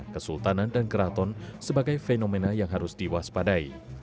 kesultanan dan keraton sebagai fenomena yang harus diwaspadai